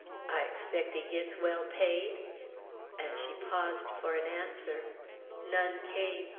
I expect he gits well paid?" and she paused for an answer. None came.